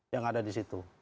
yang ada di situ